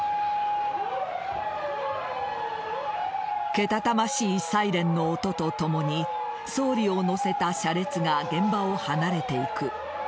けたたましいサイレンの音とともに総理を乗せた車列が現場を離れていく。